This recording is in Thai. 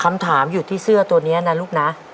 คำถามอยู่ที่เสื้อตัวนี้นะลูกนะ